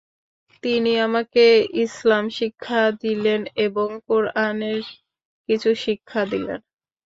তিনি আমাকে ইসলাম শিক্ষা দিলেন এবং কুরআনের কিছু শিক্ষা দিলেন।